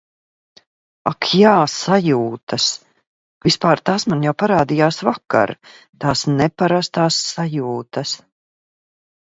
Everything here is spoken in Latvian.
Ak jā, sajūtas!!! Vispār tās man jau parādījās vakar, tās neparastās sajūtas.